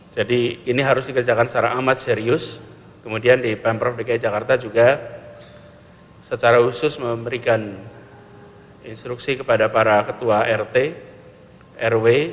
jadi ini harus dikerjakan secara amat serius kemudian di pemprov dki jakarta juga secara khusus memberikan instruksi kepada para ketua rt rw